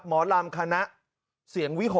หมอลำคณะเสียงวิหก